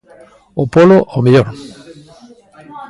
O polo, ao mellor?